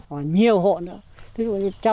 có nhiều hộ nữa